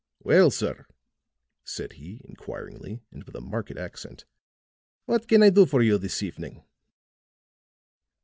"Well, sir," said he, inquiringly, and with a marked accent, "what can I do for you this evening?"